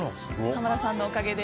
浜田さんのおかげで。